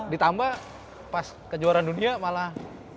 ditambah pas kejuaraan dunia malah